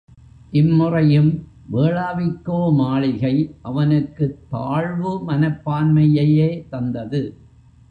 இம்முறையும் வேளாவிக்கோ மாளிகை அவனுக்குத் தாழ்வு மனப்பான்மையையே தந்தது.